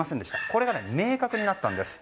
これが明確になったんです。